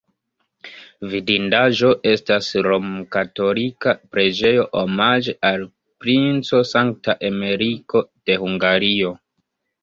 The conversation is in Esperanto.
Vidindaĵo estas romkatolika preĝejo omaĝe al Princo Sankta Emeriko de Hungario.